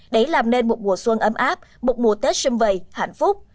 để làm nên một mùa xuân ấm áp một mùa tết xung vầy hạnh phúc